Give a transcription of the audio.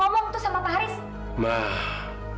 mama mau ngomong tuh sama pak haris